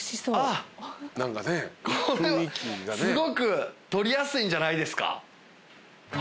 これはすごくとりやすいんじゃないですか？